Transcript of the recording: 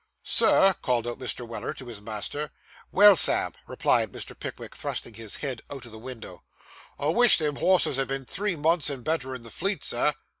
'Sir,' called out Mr. Weller to his master. 'Well, Sam,' replied Mr. Pickwick, thrusting his head out of the window. 'I wish them horses had been three months and better in the Fleet, Sir.